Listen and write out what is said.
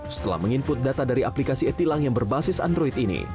setelah meng input data dari aplikasi e tilang yang berbasis android ini